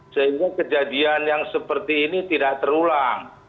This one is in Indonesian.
sehingga kejadian yang seperti ini tidak terulang